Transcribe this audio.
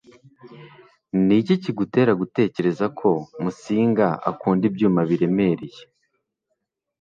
Niki kigutera gutekereza ko Musinga akunda ibyuma biremereye?